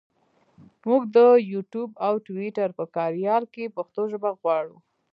مونږ د یوټوپ او ټویټر په کاریال کې پښتو ژبه غواړو.